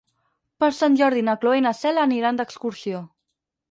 Per Sant Jordi na Cloè i na Cel aniran d'excursió.